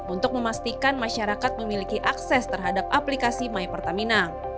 untuk memastikan masyarakat memiliki akses terhadap aplikasi mypertamina